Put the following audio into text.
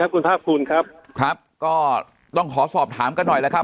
คุณภาคภูมิครับครับก็ต้องขอสอบถามกันหน่อยแล้วครับ